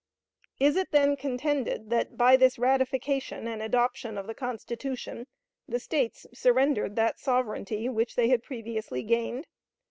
Is it then contended that, by this ratification and adoption of the Constitution, the States surrendered that sovereignty which they had previously gained?